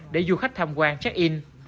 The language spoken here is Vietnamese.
để du khách tham quan check in